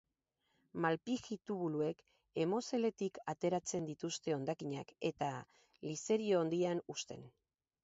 Malpighi tubuluek hemozeletik ateratzen dituzte hondakinak, eta liseri-hodian husten.